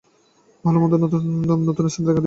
ভাল মন্দ শুধু নূতন নামে ও নূতন স্থানে দেখা দেবে।